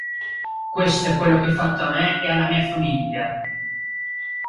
Questo è quello che hai fatto a me e alla mia famiglia!